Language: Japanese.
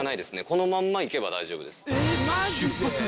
このまんま行けば大丈夫です。